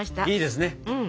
いいですね！